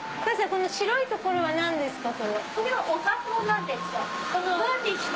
この白い所は何ですか？